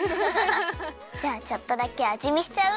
じゃあちょっとだけあじみしちゃう？